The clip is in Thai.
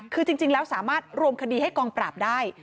คือจริงแล้วสามารถรวมคดีให้กองปราบได้